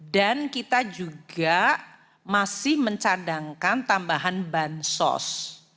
dan kita juga masih mencadangkan tambahan bansos